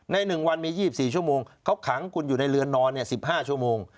ใน๑วันมี๒๔ชั่วโมงเขาขังคุณอยู่ในเรือนนอน๑๕ชั่วโมง